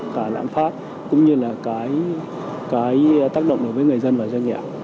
cả lãng phát cũng như là cái tác động đối với